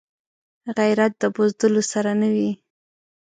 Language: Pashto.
غیرت د بزدلو سره نه وي